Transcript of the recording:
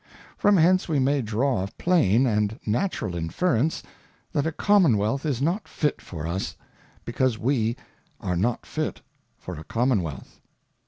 ! From hence we may draw a plain and natural Inference, That a Commonwealth is not fit for us, because we arejotfit for a Commonwealth.